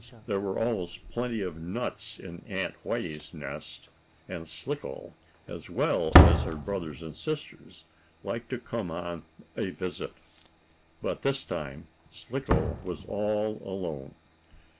There were always plenty of nuts in Aunt Whitey's nest, and Slicko, as well as her brothers and sister, liked to come on a visit. But this time Slicko was all alone.